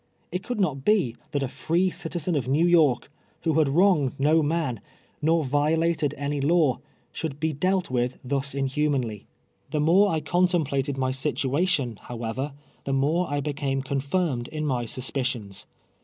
It could not l»e tliat a free citizen oi" Xe\v \')!"k, Wiio Iiad wri:in<j;cd no man, nor violated ai'.v law, should be dealt with thus inhumanly. The more 1 contemplated my situation, however, the more I l)ecame contirmed in my suspicions.